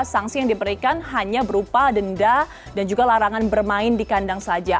sanksi yang diberikan hanya berupa denda dan juga larangan bermain di kandang saja